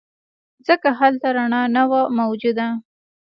ځکه هلته رڼا نه وه موجوده.